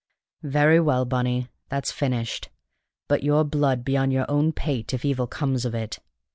"Very well, Bunny! That's finished; but your blood be on your own pate if evil comes of it.